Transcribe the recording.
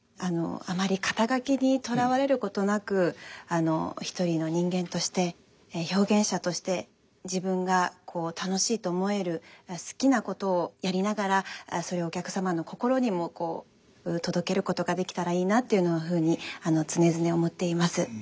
あまり肩書にとらわれることなく一人の人間として表現者として自分が楽しいと思える好きなことをやりながらそれをお客様の心にも届けることができたらいいなっていうふうに常々思っています。